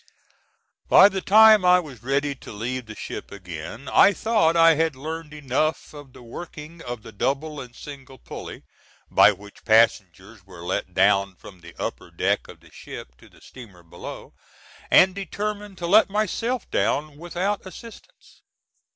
By the time I was ready to leave the ship again I thought I had learned enough of the working of the double and single pulley, by which passengers were let down from the upper deck of the ship to the steamer below, and determined to let myself down without assistance.